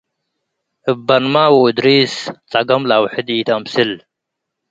እበንመ ዎ እድሪስ፡ ጸገም ለአውሕድ ኢተአምስል